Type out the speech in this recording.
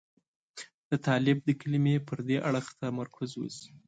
د طالب د کلمې پر دې اړخ تمرکز وشي.